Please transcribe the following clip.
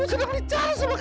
aku sedang bicara sama kawanku